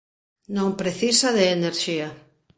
Non precisa de enerxía.